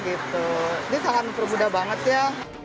ini sangat mempermudah banget ya